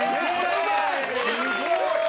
すごい！